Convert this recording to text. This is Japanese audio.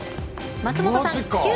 松本さん。